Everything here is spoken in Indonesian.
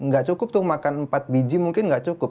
gak cukup tuh makan empat biji mungkin nggak cukup